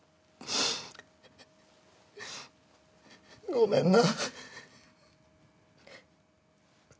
ごめんな。